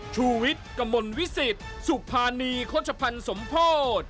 ชุวิตกระมวลวิสิตสุภารณีคนชะพันธ์สมโภษ